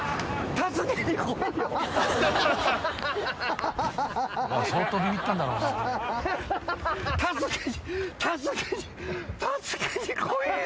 助けに来いよ。